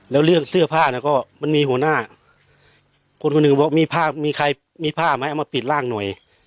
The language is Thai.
แล้วเรื่องเสื้อผ้าน่ะก็มันมีหัวหน้าคนคนหนึ่งบอกมีผ้ามีใครมีผ้าไหมเอามาปิดร่างหน่อย